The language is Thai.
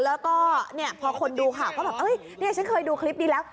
แล้วก็เนี่ยพอคนดูข่าวก็แบบเอ้ยเนี่ยฉันเคยดูคลิปนี้แล้ว